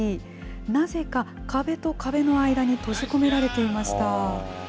なぜか壁と壁の間に閉じ込められていました。